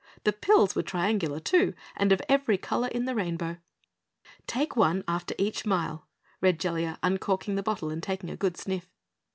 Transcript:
The pills were triangular too, and of every color in the rainbow. "Take one after each mile," read Jellia, uncorking the bottle and taking a good sniff.